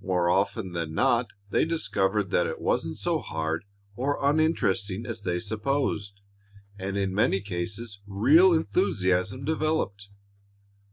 More often than not they discovered that it wasn't so hard or uninteresting as they supposed, and in many cases real enthusiasm developed.